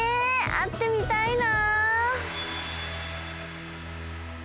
あってみたいな！